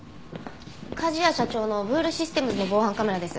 梶谷社長のブールシステムズの防犯カメラです。